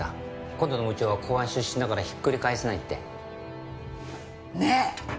今度の部長は公安出身だからひっくり返せないって。ねえ！